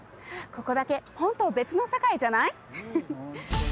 ここだけホント別の世界じゃない？